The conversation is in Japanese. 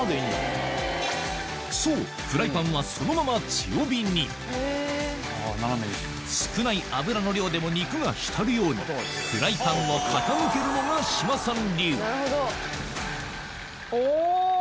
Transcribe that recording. そうフライパンはそのまま強火に少ない油の量でも肉が浸るようにフライパンを傾けるのが志麻さん流お！